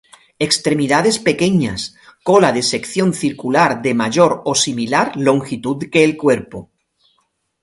Extremidades pequeñas, cola de sección circular de mayor o similar longitud que el cuerpo.